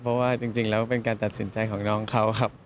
เพราะว่าจริงแล้วเป็นการตัดสินใจของน้องเขาครับ